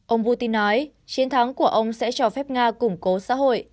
ông putin nói chiến thắng của ông sẽ cho phép nga củng cố xã hội